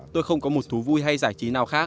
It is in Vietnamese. tôi không có một thú vui hay giải trí nào khác